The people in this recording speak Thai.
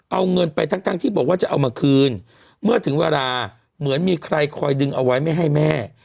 เอาเงินไปทั้งทั้งที่บอกว่าจะเอามาคืนเมื่อถึงเวลาเหมือนมีใครคอยดึงเอาไว้ไม่ให้แม่